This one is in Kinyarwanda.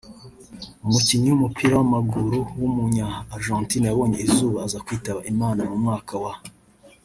umukinnyi w’umupira w’amaguru w’umunya Argentine yabonye izuba aza kwitaba Imana mu mwaka w’